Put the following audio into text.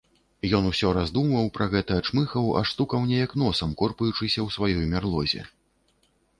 Ён усё раздумваў пра гэта, чмыхаў, аж стукаў неяк носам, корпаючыся ў сваёй мярлозе.